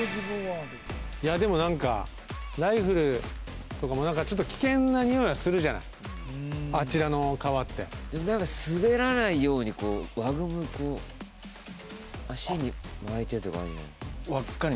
いやでも何かライフルとかも何かちょっと危険なにおいはするじゃないあちらの川ってでも何か滑らないように輪ゴムこう足に巻いてとかあるんじゃない？